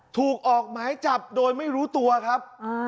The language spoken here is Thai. ถูกออกหมายจับโดยไม่รู้ตัวครับ